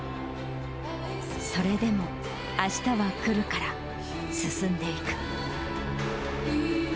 それでも、あしたは来るから、進んでいく。